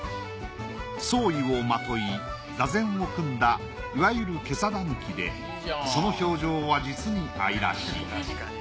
僧衣をまとい座禅を組んだいわゆる袈裟狸でその表情は実に愛らしい。